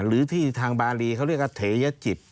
หรือที่ทางบารีเขาเรียกว่าเถยจิต